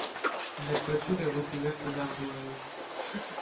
La toiture est recouverte d'ardoises.